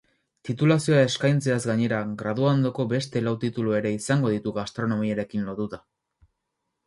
Titulazioa eskaintzeaz gainera, graduondoko beste lau titulu ere izango ditu gastronomiarekin lotuta.